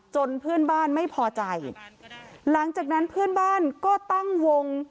เพื่อนบ้านไม่พอใจหลังจากนั้นเพื่อนบ้านก็ตั้งวง